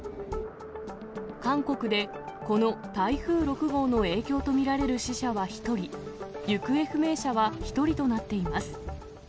韓国でこの台風６号の影響と見られる死者は１人、行方不明者は１人となっています。